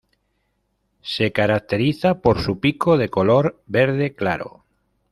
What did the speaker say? Se caracteriza por su pico de color verde claro.